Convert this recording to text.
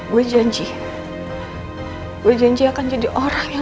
lucu sekali kamu ilah sama